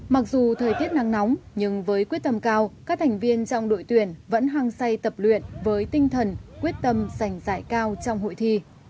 mặc dù thời tiết nắng nóng nhưng với quyết tâm cao các thành viên trong đội tuyển vẫn hăng say tập luyện với tinh thần quyết tâm giành giải cao trong hội thi